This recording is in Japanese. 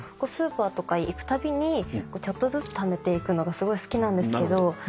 スーパーとか行くたびにちょっとずつためていくのがすごい好きなんですけど。